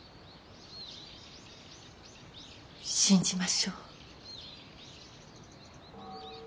信じましょう。